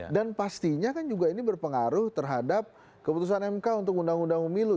dan pastinya kan juga ini berpengaruh terhadap keputusan mk untuk undang undang umilu